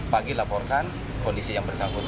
pagi laporkan kondisi yang bersangkutan